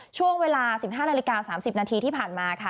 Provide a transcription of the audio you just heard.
ช่วงเวลา๑๕นาฬิกา๓๐นาทีที่ผ่านมาค่ะ